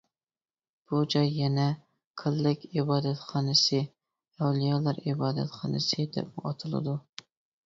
بۇ جاي يەنە «كاللەك ئىبادەتخانىسى» ، «ئەۋلىيالار ئىبادەتخانىسى» دەپمۇ ئاتىلىدۇ.